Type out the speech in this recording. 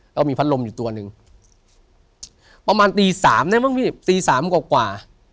ก็มีพัดลมอยู่ตัวหนึ่งประมาณตีสามได้มั้งพี่ตีสามกว่า